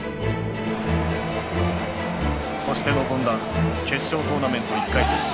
そして臨んだ決勝トーナメント１回戦。